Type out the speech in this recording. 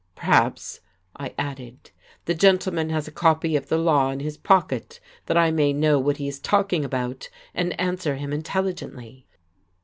Perhaps," I added, "the gentleman has a copy of the law in his pocket, that I may know what he is talking about, and answer him intelligently."